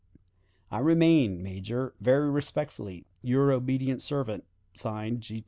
"I remain, Major, very respectfully, "Your obedient servant, (Signed) "G. T.